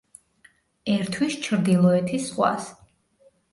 ერთვის ჩრდილოეთის ზღვას.